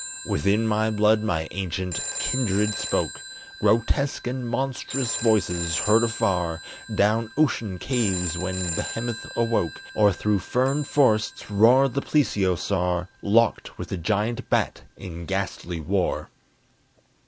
Within my blood my ancient kindred spoke Grotesque and monstrous voices, heard afar Down ocean caves when behemoth awoke, Or through fern forests roared the plesiosaur Locked with the giant bat in ghastly war.